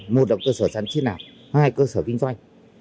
một là cơ sở sản chế nạp hai là cơ sở kinh doanh